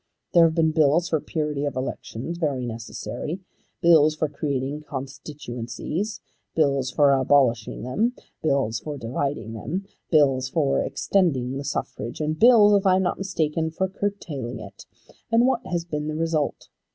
There have been bills for purity of elections, very necessary; bills for creating constituencies, bills for abolishing them, bills for dividing them, bills for extending the suffrage, and bills, if I am not mistaken, for curtailing it. And what has been the result?